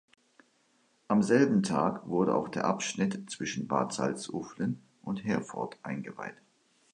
Am selben Tag wurde auch der Abschnitt zwischen Bad Salzuflen und Herford eingeweiht.